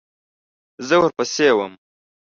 زه ورپسې وم .